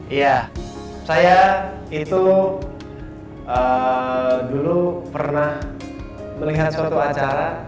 iya saya itu dulu pernah melihat suatu acara